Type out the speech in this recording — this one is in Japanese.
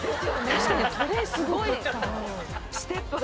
すごい。